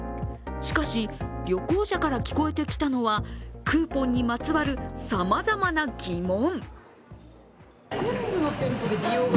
しかし旅行者から聞こえてきたのはクーポンにまつわる、さまざまな疑問。